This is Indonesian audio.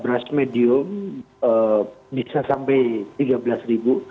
beras medium bisa sampai tiga belas ribu